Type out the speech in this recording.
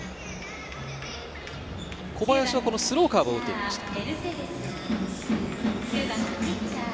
小林はスローカーブを打ちました。